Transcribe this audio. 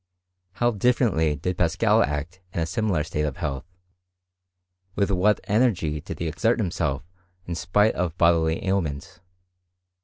How differently did Paschal act in a similar state of health ! With what energy did he exert himself in spite of bodily ailment!